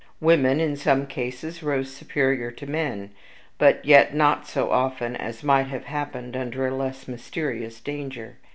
Women, in some cases, rose superior to men, but yet not so often as might have happened under a less mysterious danger.